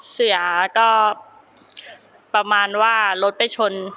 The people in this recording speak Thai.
เสียก็ประมาณว่ารถไปชน